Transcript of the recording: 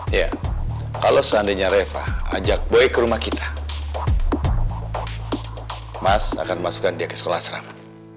iya kalau seandainya reva ajak boy ke rumah kita mas akan masukkan dia ke sekolah serama